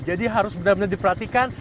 jadi harus benar benar dipersiapkan